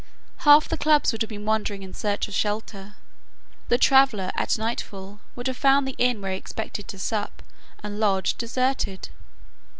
Half the clubs would have been wandering in search of shelter. The traveller at nightfall would have found the inn where he had expected to sup and lodge deserted.